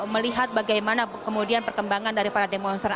melihat bagaimana kemudian perkembangan daripada demonstran